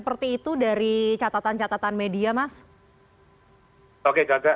memang yang terkuat